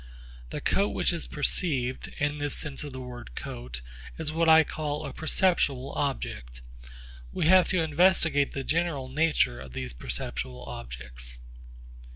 The coat which is perceived in this sense of the word 'coat' is what I call a perceptual object. We have to investigate the general character of these perceptual objects.